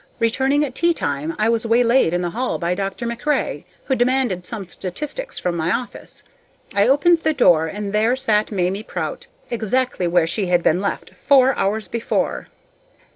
Returning at teatime, I was waylaid in the hall by Dr. MacRae, who demanded some statistics from my office. I opened the door, and there sat Mamie Prout exactly where she had been left four hours before.